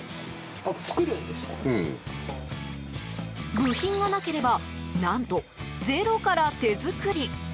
部品がなければ何と、ゼロから手作り。